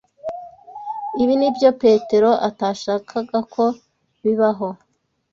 Ibi nibyo Petero atashakaga ko bibaho.